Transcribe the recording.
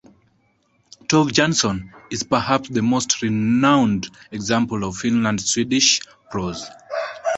Tove Jansson is perhaps the most renowned example of Finland-Swedish prose.